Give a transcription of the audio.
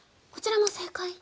こちらも正解。